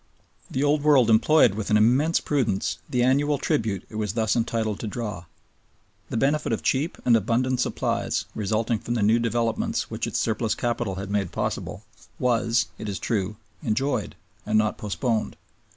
The Old World employed with an immense prudence the annual tribute it was thus entitled to draw. The benefit of cheap and abundant supplies resulting from the new developments which its surplus capital had made possible, was, it is true, enjoyed and not postponed.